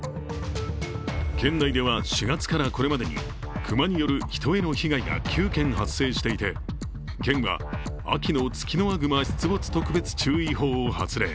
県内では９月からこれまでに熊による人への被害が９件発生していて、県は、秋のツキノワグマ出没特別注意報を発令。